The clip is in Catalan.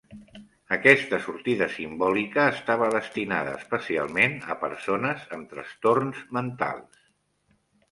Aquesta sortida simbòlica estava destinada especialment a persones amb trastorns mentals.